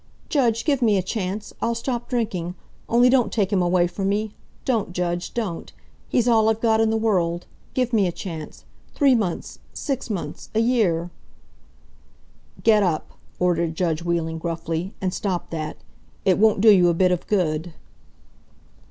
"Judge, give me a chance! I'll stop drinking. Only don't take him away from me! Don't, judge, don't! He's all I've got in the world. Give me a chance. Three months! Six months! A year!" "Get up!" ordered judge Wheeling, gruffly, "and stop that! It won't do you a bit of good."